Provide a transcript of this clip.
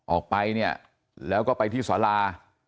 ออกไปเนี่ยแล้วก็ไปที่สารา